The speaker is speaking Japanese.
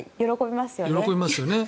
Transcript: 喜びますよね。